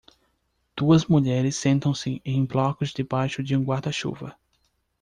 Duas mulheres sentam-se em blocos debaixo de um guarda-chuva.